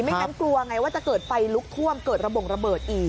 งั้นกลัวไงว่าจะเกิดไฟลุกท่วมเกิดระบงระเบิดอีก